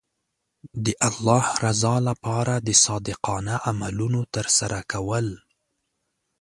د الله رضا لپاره د صادقانه عملونو ترسره کول.